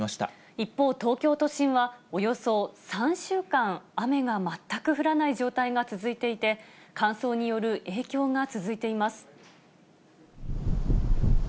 一方、東京都心は、およそ３週間、雨が全く降らない状態が続いていて、乾燥による影響が続いています。